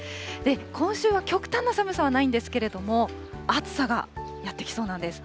今週は極端な寒さはないんですけれども、暑さがやって来そうなんです。